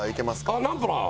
ああナンプラー！